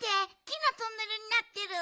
木のトンネルになってる。